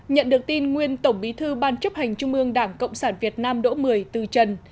nhận được tin nguyên tổng bí thư ban chấp hành trung ương đảng cộng sản việt nam đỗ mười từ trần